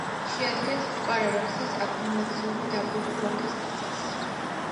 შეადგენს მტკვარ-არაქსის აკუმულაციური დაბლობი ვაკის ნაწილს.